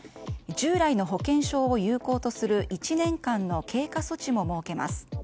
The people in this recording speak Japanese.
従来の保険証を有効とする１年間の経過措置も設けます。